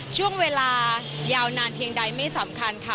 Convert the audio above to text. ช่วงเวลายาวนานเพียงใดไม่สำคัญค่ะ